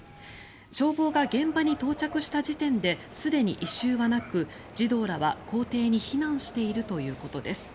消防が現場に到着した時点ですでに異臭はなく児童らは校庭に避難しているということです。